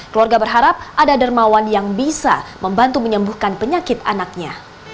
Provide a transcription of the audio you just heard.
keluarga berharap ada dermawan yang bisa membantu menyembuhkan penyakit anaknya